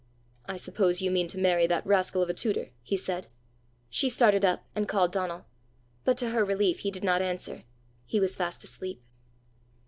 "I suppose you mean to marry that rascal of a tutor!" he said. She started up, and called Donal. But to her relief he did not answer: he was fast asleep.